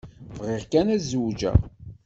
Bɣiɣ kan ad zewǧeɣ.